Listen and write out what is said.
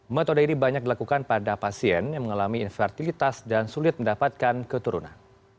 metode ini banyak dilakukan pada pasien yang mengalami infertilitas dan sulit mendapatkan keturunan